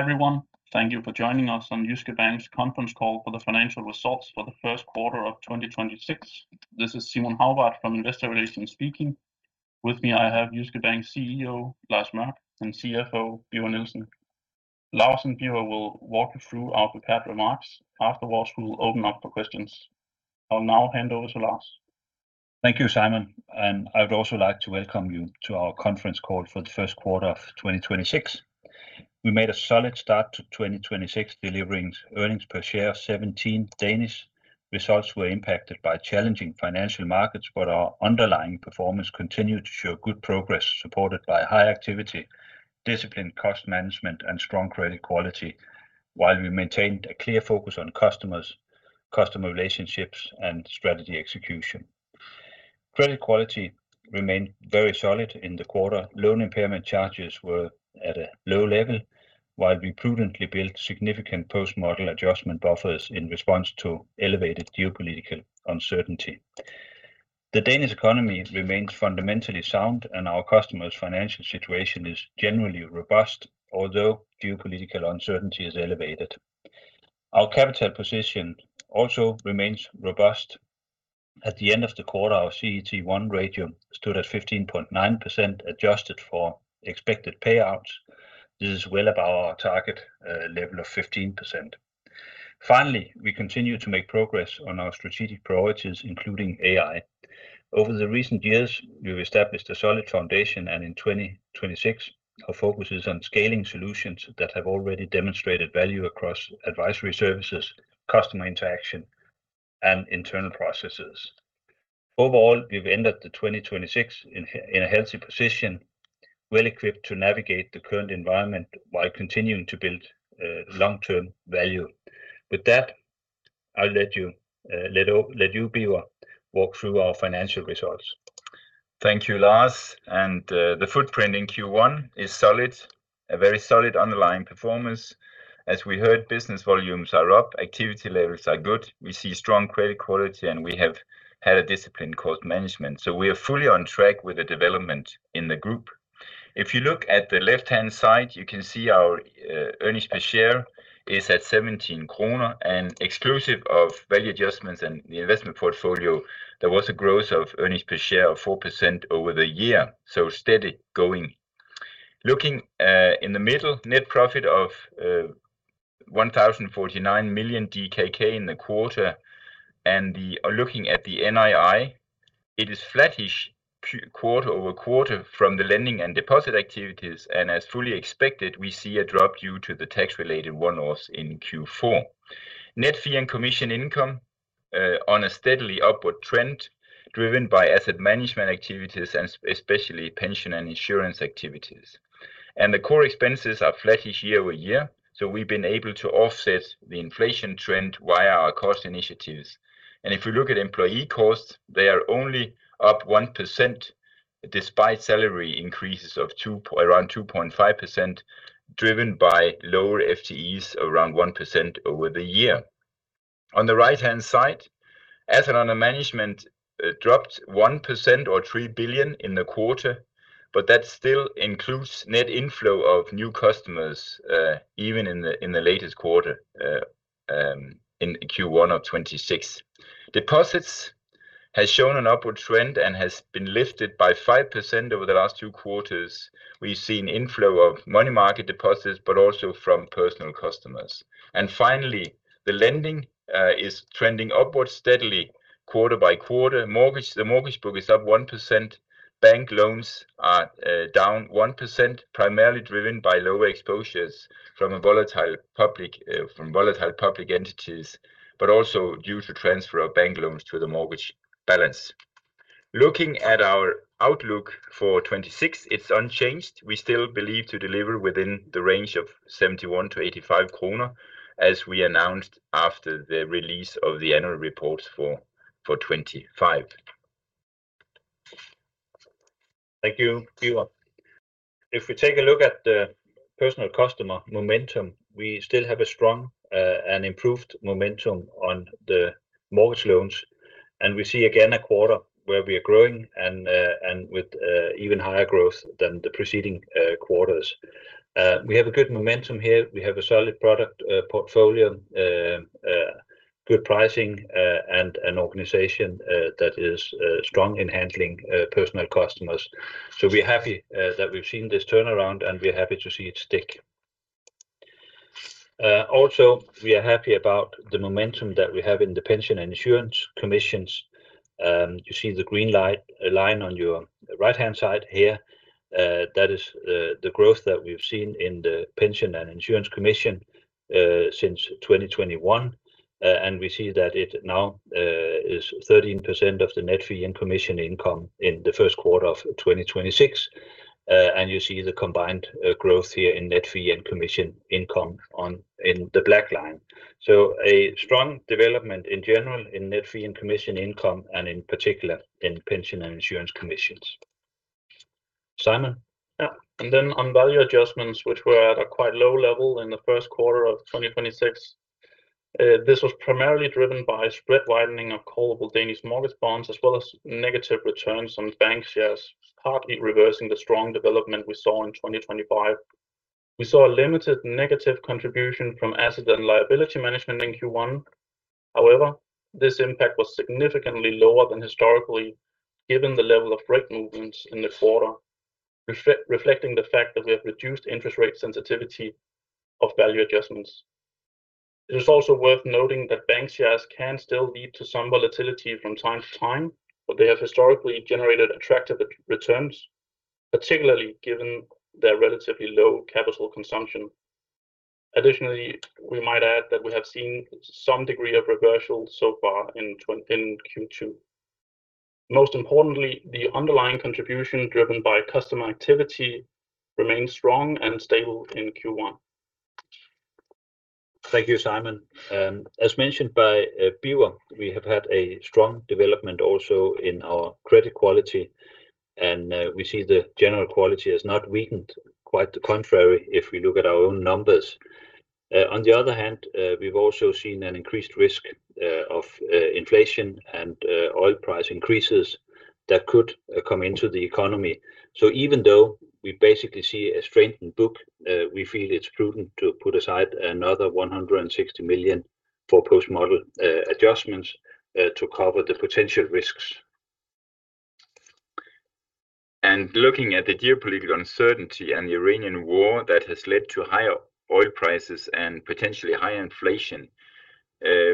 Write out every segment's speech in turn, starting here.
Hi, everyone. Thank you for joining us on Jyske Bank's conference call for the financial results for the first quarter of 2026. This is Simon Hagbart from Investor Relations speaking. With me I have Jyske Bank CEO, Lars Mørch, and CFO, Birger Nielsen. Lars and Birger will walk you through our prepared remarks. Afterwards, we'll open up for questions. I'll now hand over to Lars. Thank you, Simon, I would also like to welcome you to our conference call for the first quarter of 2026. We made a solid start to 2026, delivering earnings per share of 17. Results were impacted by challenging financial markets, but our underlying performance continued to show good progress, supported by high activity, disciplined cost management, and strong credit quality, while we maintained a clear focus on customers, customer relationships, and strategy execution. Credit quality remained very solid in the quarter. Loan impairment charges were at a low level, while we prudently built significant post-model adjustment buffers in response to elevated geopolitical uncertainty. The Danish economy remains fundamentally sound, and our customers' financial situation is generally robust, although geopolitical uncertainty is elevated. Our capital position also remains robust. At the end of the quarter, our CET1 ratio stood at 15.9%, adjusted for expected payouts. This is well above our target level of 15%. We continue to make progress on our strategic priorities, including AI. Over the recent years, we've established a solid foundation. In 2026, our focus is on scaling solutions that have already demonstrated value across advisory services, customer interaction, and internal processes. Overall, we've ended 2026 in a healthy position, well-equipped to navigate the current environment while continuing to build long-term value. With that, I'll let you, Birger, walk through our financial results. Thank you, Lars. The footprint in Q1 is solid, a very solid underlying performance. As we heard, business volumes are up, activity levels are good. We see strong credit quality, and we have had a disciplined cost management. We are fully on track with the development in the group. If you look at the left-hand side, you can see our earnings per share is at 17 kroner. Exclusive of value adjustments in the investment portfolio, there was a growth of earnings per share of 4% over the year, so steady going. Looking in the middle, net profit of 1,049 million DKK in the quarter. Looking at the NII, it is flattish quarter-over-quarter from the lending and deposit activities, and as fully expected, we see a drop due to the tax-related one-offs in Q4. Net fee and commission income, on a steadily upward trend, driven by asset management activities and especially pension and insurance activities. The core expenses are flattish year-over-year, so we've been able to offset the inflation trend via our cost initiatives. If we look at employee costs, they are only up 1% despite salary increases of around 2.5%, driven by lower FTEs, around 1% over the year. On the right-hand side, assets under management dropped 1% or 3 billion in the quarter, but that still includes net inflow of new customers, even in the latest quarter, in Q1 of 2026. Deposits has shown an upward trend and has been lifted by 5% over the last two quarters. We've seen inflow of money market deposits but also from personal customers. Finally, the lending is trending upwards steadily quarter by quarter. The mortgage book is up 1%. Bank loans are down 1%, primarily driven by lower exposures from volatile public entities, but also due to transfer of bank loans to the mortgage balance. Looking at our outlook for 2026, it's unchanged. We still believe to deliver within the range of 71-85 kroner, as we announced after the release of the annual reports for 2025. Thank you, Birger. If we take a look at the personal customer momentum, we still have a strong and improved momentum on the mortgage loans. We see again a quarter where we are growing and with even higher growth than the preceding quarters. We have a good momentum here. We have a solid product portfolio, good pricing, and an organization that is strong in handling personal customers. We're happy that we've seen this turnaround, and we're happy to see it stick. Also, we are happy about the momentum that we have in the pension and insurance commissions. You see the green light line on your right-hand side here. That is the growth that we've seen in the pension and insurance commission since 2021. We see that it now is 13% of the net fee and commission income in the first quarter of 2026. You see the combined growth here in net fee and commission income on, in the black line. A strong development in general in net fee and commission income and in particular in pension and insurance commissions. Simon? Yeah. On value adjustments, which were at a quite low level in the first quarter of 2026. This was primarily driven by spread widening of callable Danish mortgage bonds as well as negative returns on bank shares, partly reversing the strong development we saw in 2025. We saw a limited negative contribution from asset and liability management in Q1. However, this impact was significantly lower than historically given the level of rate movements in the quarter, reflecting the fact that we have reduced interest rate sensitivity of value adjustments. It is also worth noting that bank shares can still lead to some volatility from time to time, but they have historically generated attractive returns, particularly given their relatively low capital consumption. Additionally, we might add that we have seen some degree of reversal so far in Q2. Most importantly, the underlying contribution driven by customer activity remains strong and stable in Q1. Thank you, Simon. As mentioned by Birger, we have had a strong development also in our credit quality, and we see the general quality has not weakened, quite the contrary if we look at our own numbers. On the other hand, we've also seen an increased risk of inflation and oil price increases that could come into the economy. Even though we basically see a strengthened book, we feel it's prudent to put aside another 160 million for post-model adjustments to cover the potential risks. Looking at the geopolitical uncertainty and the Iranian war that has led to higher oil prices and potentially higher inflation,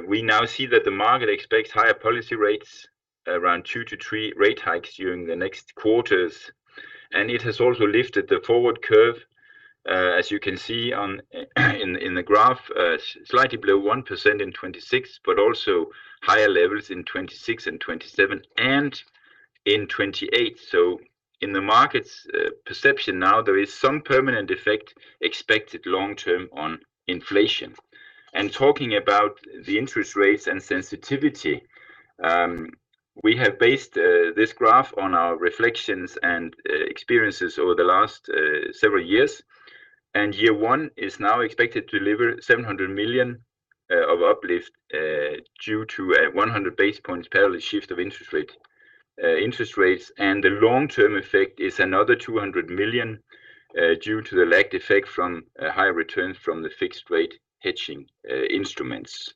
we now see that the market expects higher policy rates around two to three rate hikes during the next quarters, and it has also lifted the forward curve, as you can see in the graph, slightly below 1% in 2026, but also higher levels in 2026 and 2027 and in 2028. In the market's perception now, there is some permanent effect expected long term on inflation. Talking about the interest rates and sensitivity, we have based this graph on our reflections and experiences over the last several years. Year one is now expected to deliver 700 million of uplift due to a 100 basis points parallel shift of interest rate interest rates. The long-term effect is another 200 million due to the lagged effect from higher returns from the fixed rate hedging instruments.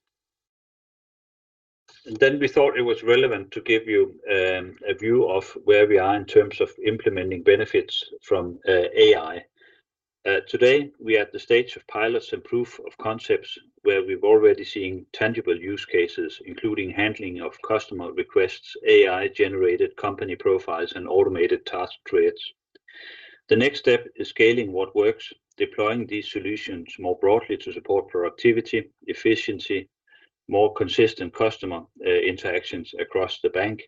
We thought it was relevant to give you a view of where we are in terms of implementing benefits from AI. Today, we are at the stage of pilots and proof of concepts where we're already seeing tangible use cases, including handling of customer requests, AI-generated company profiles, and automated task trades. The next step is scaling what works, deploying these solutions more broadly to support productivity, efficiency, more consistent customer interactions across the bank.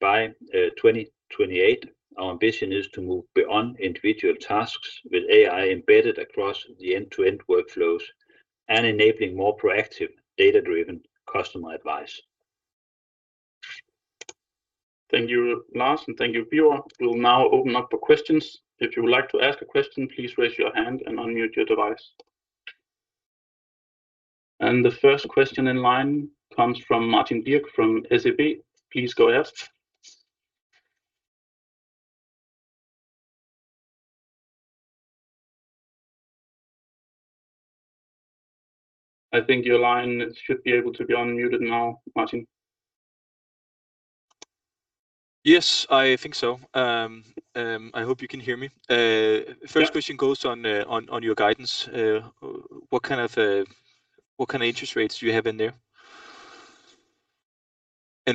By 2028, our ambition is to move beyond individual tasks with AI embedded across the end-to-end workflows and enabling more proactive data-driven customer advice. Thank you, Lars, and thank you, Birger. We'll now open up for questions. If you would like to ask a question, please raise your hand and unmute your device. The first question in line comes from Martin Birk from SEB. Please go ahead. I think your line should be able to be unmuted now, Martin. Yes, I think so. I hope you can hear me. Yeah First question goes on your guidance. What kind of interest rates do you have in there?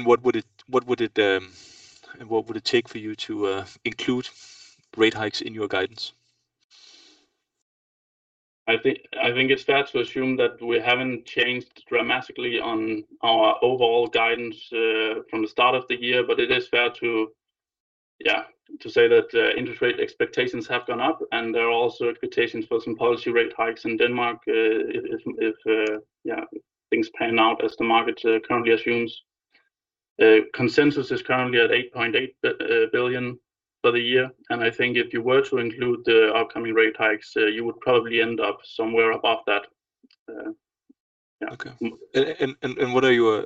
What would it take for you to include rate hikes in your guidance? I think it's fair to assume that we haven't changed dramatically on our overall guidance from the start of the year. It is fair to say that interest rate expectations have gone up, and there are also expectations for some policy rate hikes in Denmark if things pan out as the market currently assumes. Consensus is currently at 8.8 billion for the year, and I think if you were to include the upcoming rate hikes, you would probably end up somewhere above that. Okay.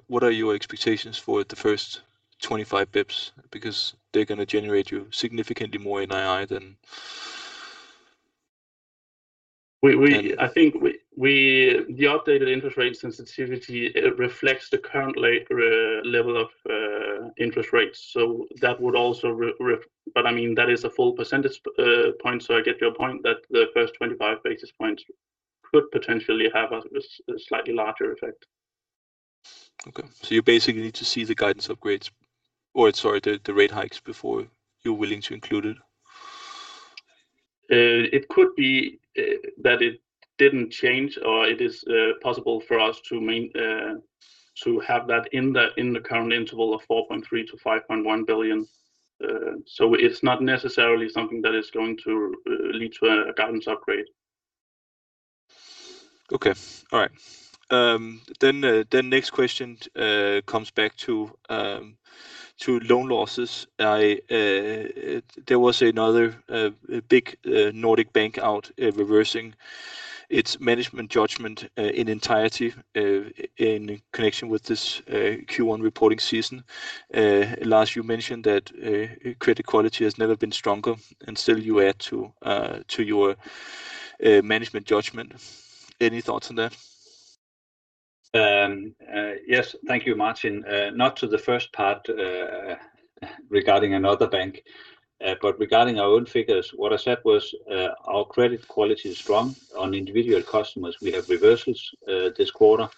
What are your expectations for the first 25 basis points? Because they're gonna generate you significantly more NII than- I think the updated interest rate sensitivity, it reflects the current level of interest rates. I mean, that is a full percentage point. I get your point that the first 25 basis points could potentially have a slightly larger effect. Okay. You basically need to see the guidance upgrades, or sorry, the rate hikes before you're willing to include it? It could be that it didn't change, or it is possible for us to have that in the current interval of 4.3 billion-5.1 billion. It's not necessarily something that is going to lead to a guidance upgrade. Okay. All right. Next question comes back to loan losses. I there was another big Nordic bank out reversing Its management judgment in entirety in connection with this Q1 reporting season. Lars, you mentioned that credit quality has never been stronger, still you add to your management judgment. Any thoughts on that? Yes. Thank you, Martin. Not to the first part, regarding another bank, but regarding our own figures, what I said was, our credit quality is strong on individual customers. We have reversals, this quarter,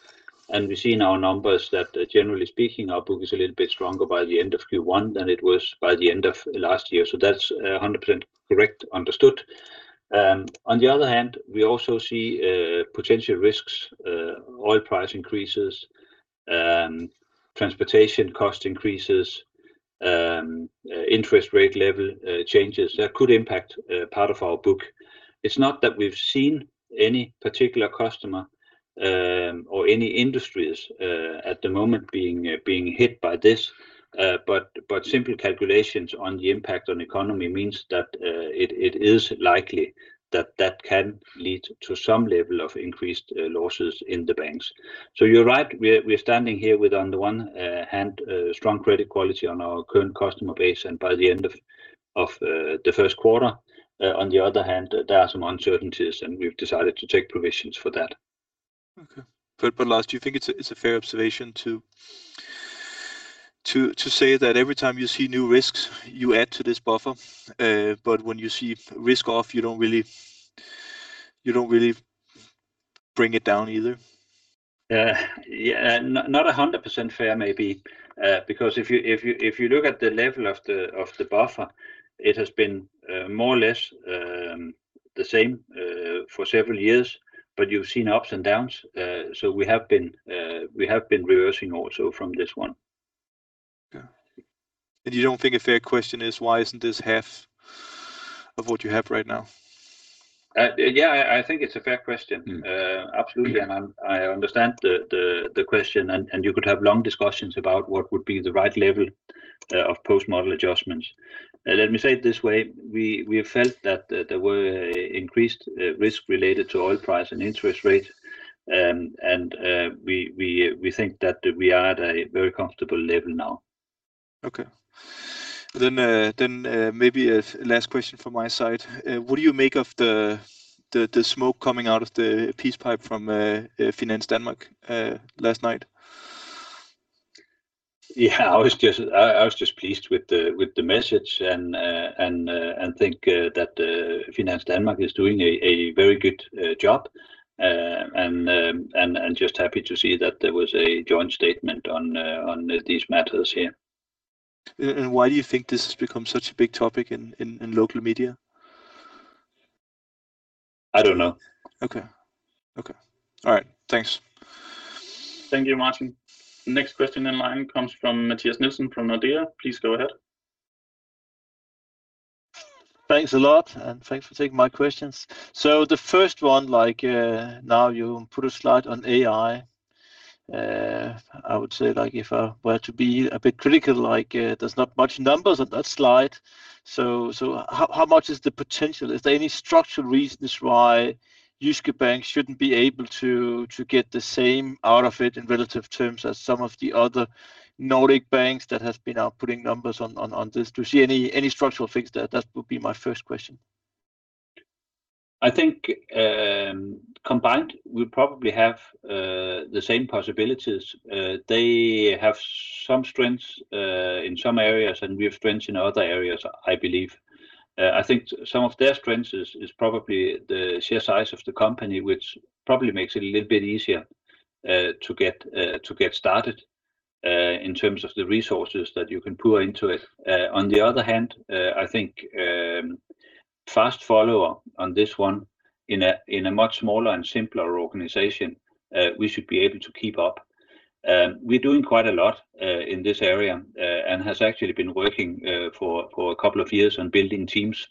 and we see in our numbers that generally speaking, our book is a little bit stronger by the end of Q1 than it was by the end of last year. That's 100% correct understood. On the other hand, we also see potential risks, oil price increases, transportation cost increases, interest rate level, changes that could impact part of our book. It's not that we've seen any particular customer, or any industries, at the moment being hit by this. Simple calculations on the impact on economy means that it is likely that that can lead to some level of increased losses in the banks. You're right. We're standing here with, on the one hand, a strong credit quality on our current customer base, and by the end of the first quarter, on the other hand, there are some uncertainties, and we've decided to take provisions for that. Okay. Lars, do you think it's a fair observation to say that every time you see new risks, you add to this buffer? When you see risk off, you don't really bring it down either? Yeah, not 100% fair maybe. If you look at the level of the buffer, it has been more or less the same for several years, but you've seen ups and downs. We have been reversing also from this one. Okay. You don't think a fair question is why isn't this half of what you have right now? Yeah, I think it's a fair question. Absolutely. I understand the, the question and you could have long discussions about what would be the right level of post-model adjustments. Let me say it this way. We, we have felt that there were increased risk related to oil price and interest rate. We, we think that we are at a very comfortable level now. Okay. Maybe a last question from my side. What do you make of the smoke coming out of the peace pipe from Finance Denmark last night? Yeah. I was just pleased with the message and think that Finance Denmark is doing a very good job. Just happy to see that there was a joint statement on these matters here. Why do you think this has become such a big topic in local media? I don't know. Okay. Okay. All right. Thanks. Thank you, Martin. The next question in line comes from Mathias Nielsen from Nordea. Please go ahead. Thanks a lot, thanks for taking my questions. The first one, like, now you put a slide on AI. I would say, like, if I were to be a bit critical, like, there's not much numbers on that slide. How much is the potential? Is there any structural reasons why Jyske Bank shouldn't be able to get the same out of it in relative terms as some of the other Nordic banks that has been out putting numbers on this? Do you see any structural things there? That would be my first question. I think combined we probably have the same possibilities. They have some strengths in some areas, and we have strengths in other areas, I believe. I think some of their strengths is probably the sheer size of the company, which probably makes it a little bit easier to get started in terms of the resources that you can pour into it. On the other hand, I think fast follower on this one in a much smaller and simpler organization, we should be able to keep up. We're doing quite a lot in this area and has actually been working for a couple of years on building teams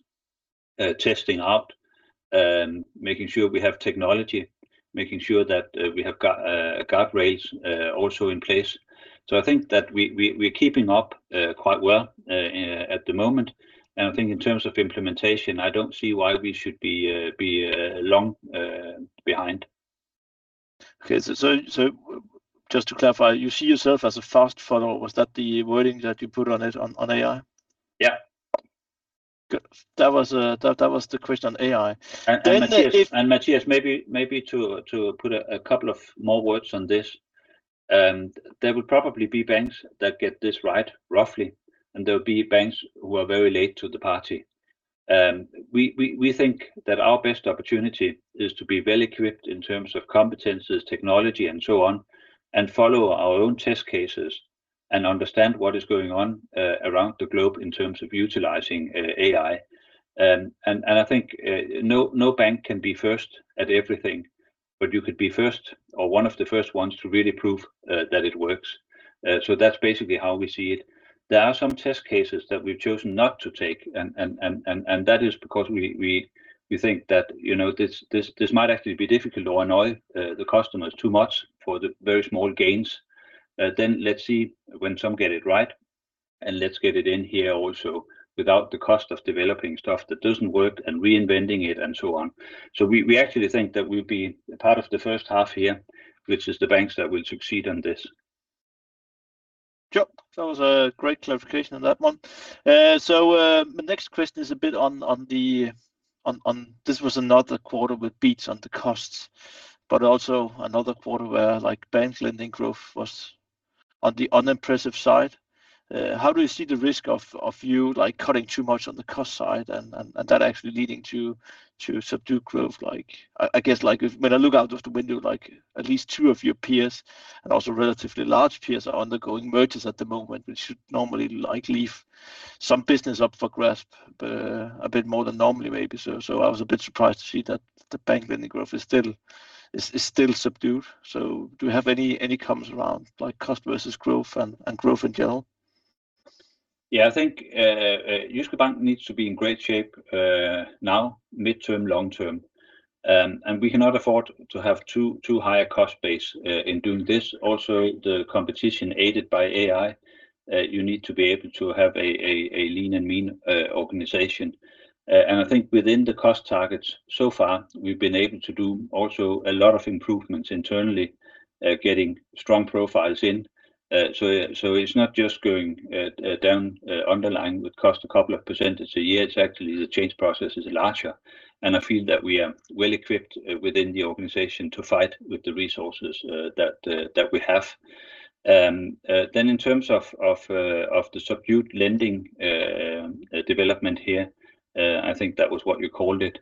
testing out making sure we have technology, making sure that we have guardrails also in place. I think that we're keeping up quite well at the moment. I think in terms of implementation, I don't see why we should be long behind. Okay. Just to clarify, you see yourself as a fast follower. Was that the wording that you put on it, on AI? Yeah. Good. That was the question on AI. Mathias- If- Mathias, maybe to put a couple of more words on this, there will probably be banks that get this right roughly, and there will be banks who are very late to the party. We think that our best opportunity is to be well-equipped in terms of competencies, technology, and so on, and follow our own test cases and understand what is going on around the globe in terms of utilizing AI. I think no bank can be first at everything, but you could be first or one of the first ones to really prove that it works. That's basically how we see it. There are some test cases that we've chosen not to take and that is because we think that, you know, this might actually be difficult or annoy the customers too much for the very small gains. Let's see when some get it right. Let's get it in here also without the cost of developing stuff that doesn't work and reinventing it, and so on. We actually think that we'll be part of the first half here, which is the banks that will succeed in this. Sure. That was a great clarification on that one. My next question is a bit on this was another quarter with beats on the costs, but also another quarter where, like, bank lending growth was on the unimpressive side. How do you see the risk of you, like, cutting too much on the cost side and that actually leading to subdued growth? Like, I guess, like, if when I look out of the window, like, at least two of your peers, and also relatively large peers, are undergoing mergers at the moment, which should normally, like, leave some business up for grasp a bit more than normally maybe. I was a bit surprised to see that the bank lending growth is still subdued. Do you have any comments around, like, cost versus growth and growth in general? Yeah. I think Jyske Bank needs to be in great shape now, midterm, long term. We cannot afford to have too high a cost base in doing this. Also, the competition aided by AI, you need to be able to have a lean and mean organization. I think within the cost targets so far, we've been able to do also a lot of improvements internally, getting strong profiles in. It's not just going down underlying with cost a couple of percentage a year. It's actually the change process is larger. I feel that we are well equipped within the organization to fight with the resources that we have. In terms of the subdued lending development here, I think that was what you called it.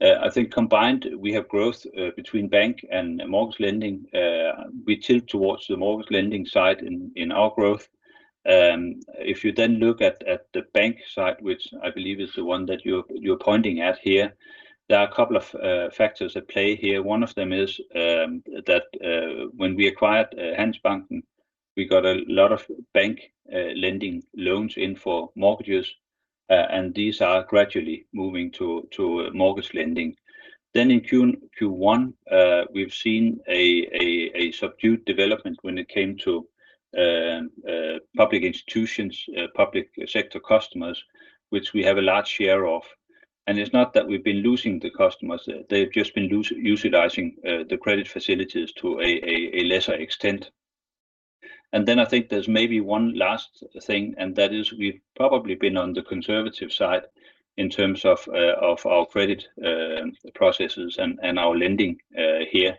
I think combined we have growth between bank and mortgage lending. We tilt towards the mortgage lending side in our growth. If you then look at the bank side, which I believe is the one that you're pointing at here, there are a couple of factors at play here. One of them is that when we acquired Handelsbanken, we got a lot of bank lending loans in for mortgages, these are gradually moving to mortgage lending. In Q1, we've seen a subdued development when it came to public institutions, public sector customers, which we have a large share of. It's not that we've been losing the customers. They've just been utilizing the credit facilities to a lesser extent. I think there's maybe one last thing, we've probably been on the conservative side in terms of our credit processes and our lending here.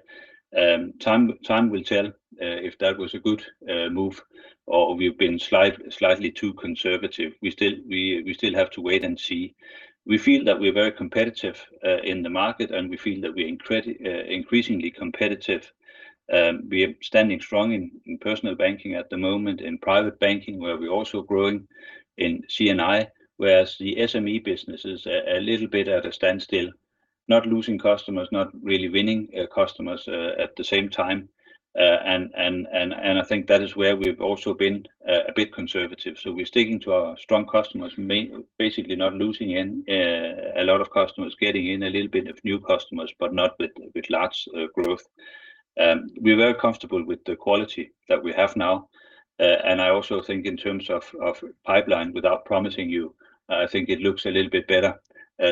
Time will tell if that was a good move or we've been slightly too conservative. We still have to wait and see. We feel that we're very competitive in the market, and we feel that we're increasingly competitive. We are standing strong in personal banking at the moment, in private banking, where we're also growing in C&I, whereas the SME business is a little bit at a standstill. Not losing customers, not really winning customers at the same time. I think that is where we've also been a bit conservative. We're sticking to our strong customers, basically not losing any a lot of customers. Getting in a little bit of new customers, but not with large growth. We're very comfortable with the quality that we have now. I also think in terms of pipeline, without promising you, I think it looks a little bit better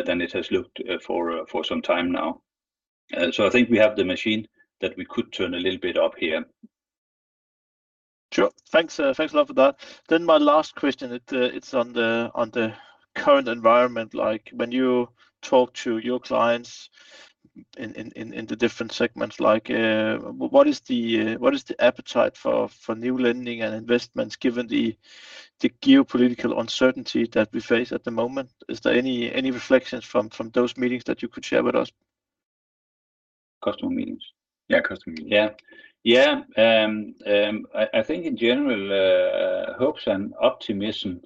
than it has looked for some time now. I think we have the machine that we could turn a little bit up here. Sure. Thanks. Thanks a lot for that. My last question, it's on the current environment. Like, when you talk to your clients in the different segments, what is the appetite for new lending and investments given the geopolitical uncertainty that we face at the moment? Is there any reflections from those meetings that you could share with us? Customer meetings? Yeah, customer meetings. Yeah. Yeah. I think in general, hopes and optimism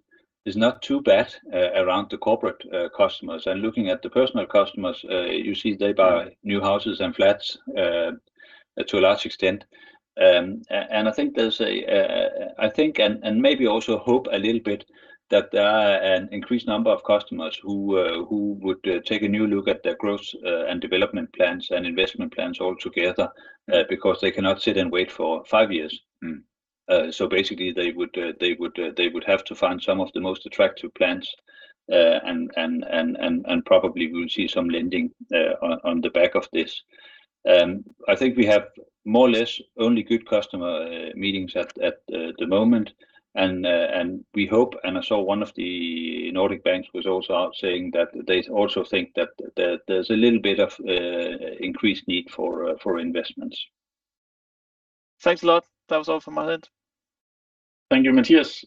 is not too bad around the corporate customers. Looking at the personal customers, you see they buy new houses and flats to a large extent. I think there's a, I think and maybe also hope a little bit that there are an increased number of customers who would take a new look at their growth and development plans and investment plans altogether, because they cannot sit and wait for five years. Basically they would have to find some of the most attractive plans. Probably we'll see some lending on the back of this. I think we have more or less only good customer meetings at the moment. We hope, and I saw one of the Nordic banks was also saying that they also think that there's a little bit of increased need for investments. Thanks a lot. That was all from my end. Thank you, Mathias.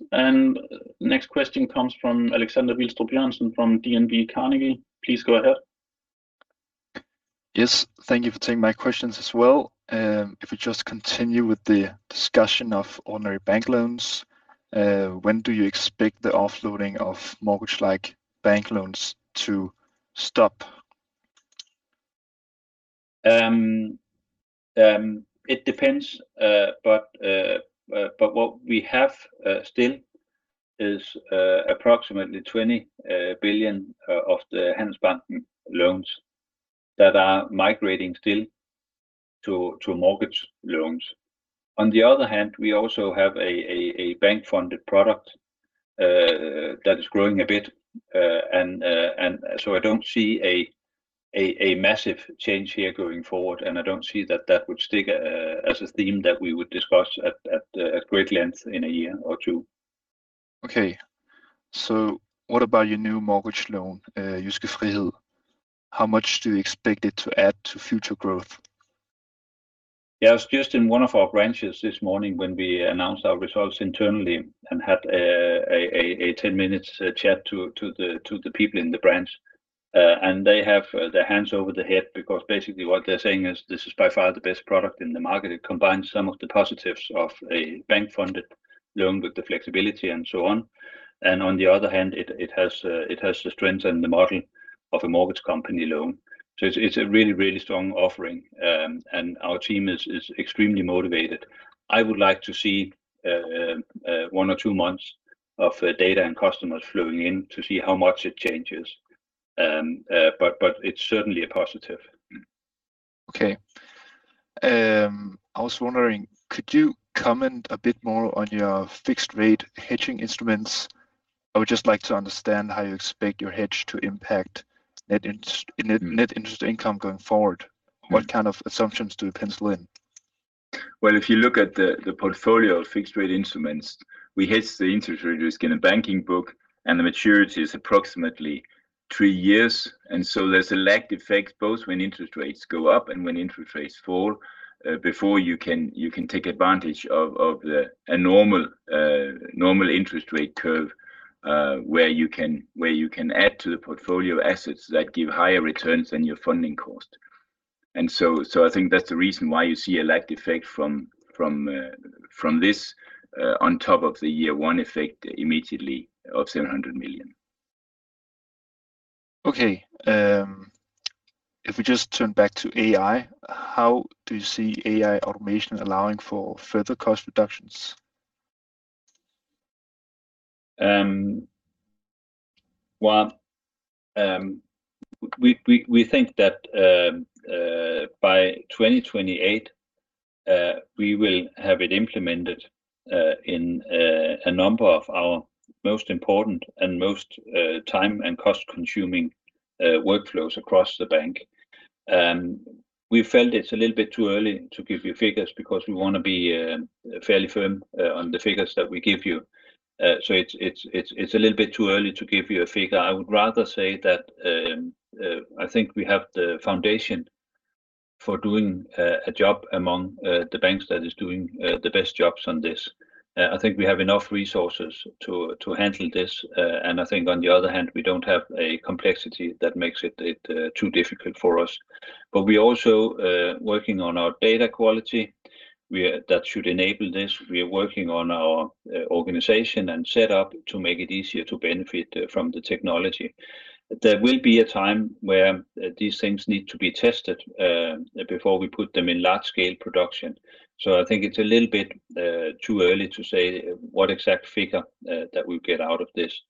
Next question comes from Alexander Vilstrup-Jørgensen from DNB Carnegie. Please go ahead. Yes. Thank you for taking my questions as well. If we just continue with the discussion of ordinary bank loans, when do you expect the offloading of mortgage-like bank loans to stop? It depends. What we have still is approximately 20 billion of the Handelsbanken loans that are migrating still to mortgage loans. On the other hand, we also have a bank-funded product that is growing a bit. I don't see a massive change here going forward, and I don't see that that would stick as a theme that we would discuss at great length in a year or two. Okay. What about your new mortgage loan, Jyske Frihed? How much do you expect it to add to future growth? Yeah. I was just in one of our branches this morning when we announced our results internally and had a 10 minutes chat to the people in the branch. They have their hands over their head because basically what they're saying is this is by far the best product in the market. It combines some of the positives of a bank-funded loan with the flexibility and so on. On the other hand, it has the strength and the model of a mortgage company loan. It's a really, really strong offering, our team is extremely motivated. I would like to see one or two months of data and customers flowing in to see how much it changes. It's certainly a positive. Okay. I was wondering, could you comment a bit more on your fixed rate hedging instruments? I would just like to understand how you expect your hedge to impact net interest income going forward. What kind of assumptions do you pencil in? Well, if you look at the portfolio of fixed rate instruments, we hedge the interest rate risk in the banking book, the maturity is approximately three years. There's a lag effect both when interest rates go up and when interest rates fall, before you can take advantage of a normal interest rate curve, where you can add to the portfolio assets that give higher returns than your funding cost. I think that's the reason why you see a lag effect from this on top of the year one effect immediately of 700 million. Okay. If we just turn back to AI, how do you see AI automation allowing for further cost reductions? Well, we think that by 2028, we will have it implemented in a number of our most important and most time and cost-consuming workflows across the bank. We felt it's a little bit too early to give you figures because we wanna be fairly firm on the figures that we give you. It's a little bit too early to give you a figure. I would rather say that I think we have the foundation for doing a job among the banks that is doing the best jobs on this. I think we have enough resources to handle this. I think on the other hand, we don't have a complexity that makes it too difficult for us. We also working on our data quality. That should enable this. We are working on our organization and set up to make it easier to benefit from the technology. There will be a time where these things need to be tested before we put them in large scale production. I think it's a little bit too early to say what exact figure that we'll get out of this.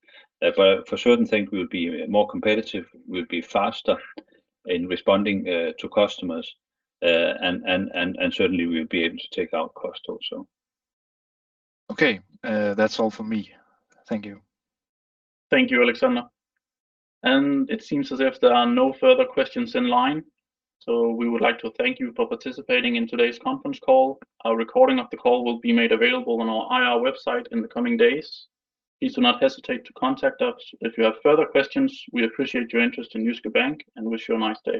For certain things we'll be more competitive, we'll be faster in responding to customers, and certainly we'll be able to take out cost also. Okay. That's all from me. Thank you. Thank you, Alexander. It seems as if there are no further questions in line. We would like to thank you for participating in today's conference call. A recording of the call will be made available on our IR website in the coming days. Please do not hesitate to contact us if you have further questions. We appreciate your interest in Jyske Bank and wish you a nice day.